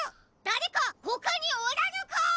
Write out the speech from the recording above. だれかほかにおらぬか！？